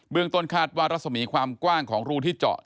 ต้นคาดว่ารัศมีความกว้างของรูที่เจาะ